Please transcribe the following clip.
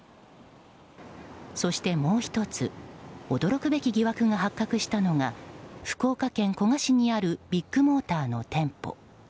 そして、もう１つ驚くべき疑惑が発覚したのが福岡県古賀市にあるビッグモーターの店舗。